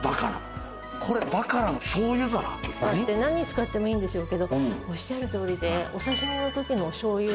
何に使ってもいいんでしょうけどおっしゃる通りでお刺し身の時のおしょうゆ。